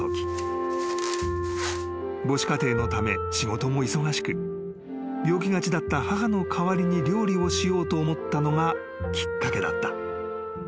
［母子家庭のため仕事も忙しく病気がちだった母の代わりに料理をしようと思ったのがきっかけだった］